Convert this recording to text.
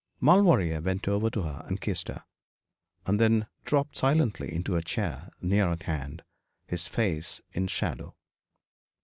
Maulevrier went over to her and kissed her; and then dropped silently into a chair near at hand, his face in shadow.